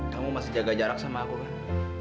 kamu masih jaga jarak sama aku kan